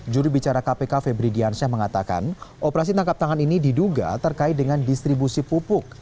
juri bicara kpk febri diansyah mengatakan operasi tangkap tangan ini diduga terkait dengan distribusi pupuk